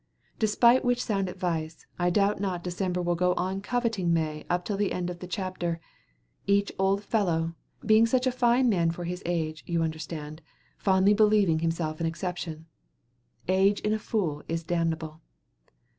Despite which sound advice, I doubt not December will go on coveting May up to the end of the chapter; each old fellow being such a fine man for his age, you understand fondly believing himself an exception. Age in a fool is damnable.